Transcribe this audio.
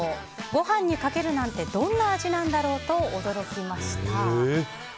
ご飯にかけるなんてどんな味なんだろうと驚きました。